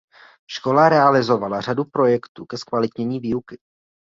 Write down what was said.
Škola realizovala řadu projektů ke zkvalitnění výuky.